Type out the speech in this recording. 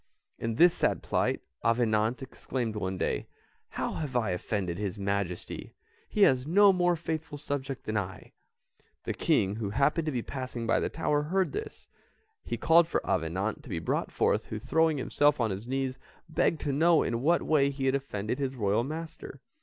In this sad plight, Avenant exclaimed one day, "How have I offended his Majesty? He has no more faithful subject than I." The King who happened to be passing by the tower, heard this; he called for Avenant to be brought forth who, throwing himself on his knees, begged to know in what way he had offended his royal master.